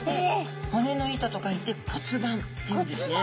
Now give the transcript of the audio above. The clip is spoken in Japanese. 「骨の板」と書いて骨板っていうんですね。